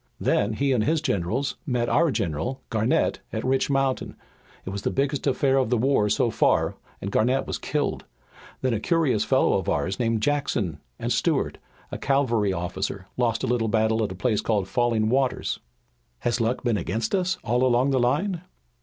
Then he and his generals met our general, Garnett, at Rich Mountain. It was the biggest affair of the war so far, and Garnett was killed. Then a curious fellow of ours named Jackson, and Stuart, a cavalry officer, lost a little battle at a place called Falling Waters." "Has the luck been against us all along the line?"